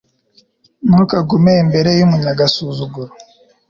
ntukagume imbere y'umunyagasuzuguro